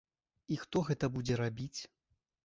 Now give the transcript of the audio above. І хто гэта будзе рабіць?